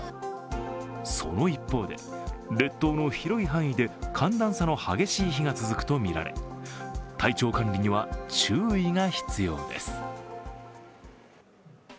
その一方で、列島の広い範囲で寒暖差の激しい日が続くとみられ体調管理には注意が必要です。